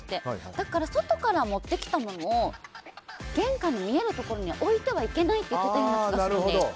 だから外から持ってきたものを玄関の見えるところに置いてはいけないって言っていたような気がするので。